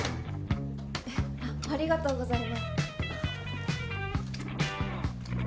ありがとうございます。